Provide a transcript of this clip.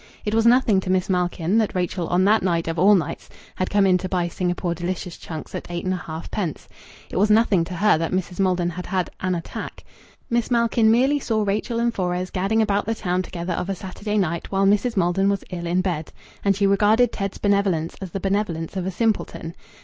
It was nothing to Miss Malkin that Rachel on that night of all nights had come in to buy Singapore Delicious Chunks at 8 1/2d. It was nothing to her that Mrs. Maldon had had "an attack." Miss Malkin merely saw Rachel and Fores gadding about the town together of a Saturday night while Mrs. Maldon was ill in bed. And she regarded Ted's benevolence as the benevolence of a simpleton.